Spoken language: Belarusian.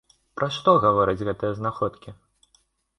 Пра што гавораць гэтыя знаходкі?